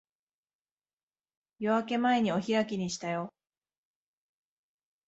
夜明け前にお開きにしたよ。